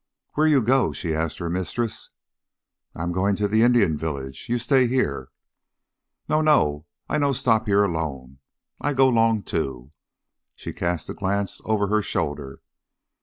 "Where you go?" she asked her mistress. "I am going to the Indian village. You stay here " "No, no! I no stop here alone. I go 'long too." She cast a glance over her shoulder.